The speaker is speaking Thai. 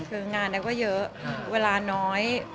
คืองานเราก็เยอะเวลาน้อย